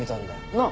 なあ？